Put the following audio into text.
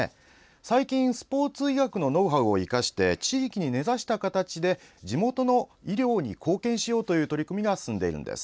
最近、スポーツ医学のノウハウを生かして地域に根ざした形で地元の医療に貢献しようという取り組みが進んでいます。